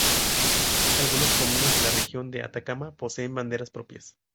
Algunas comunas de la Región de Atacama poseen banderas propias.